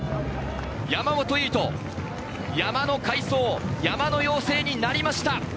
山本唯翔、山の快走、山の妖精になりました。